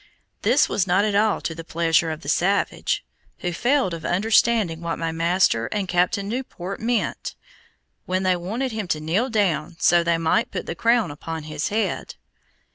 This was not at all to the pleasure of the savage, who failed of understanding what my master and Captain Newport meant, when they wanted him to kneel down so they might put the crown upon his head.